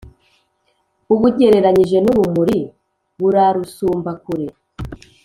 ubugereranyije n’urumuri, burarusumba kure: